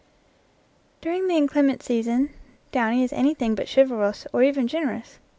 During the inclement season Downy is anything but chivalrous or even generous.